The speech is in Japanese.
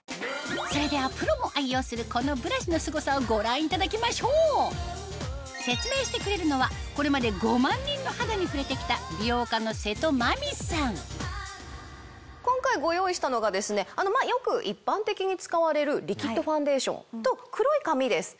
それではプロも愛用するご覧いただきましょう説明してくれるのはこれまで５万人の肌に触れてきた今回ご用意したのがですねよく一般的に使われるリキッドファンデーションと黒い紙です。